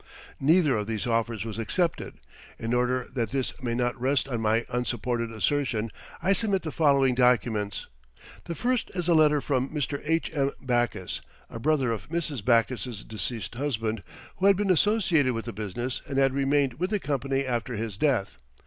Neither of these offers was accepted. In order that this may not rest on my unsupported assertion, I submit the following documents: The first is a letter from Mr. H.M. Backus, a brother of Mrs. Backus's deceased husband, who had been associated with the business and had remained with the company after his death.